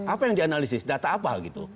apa yang dianalisis data apa gitu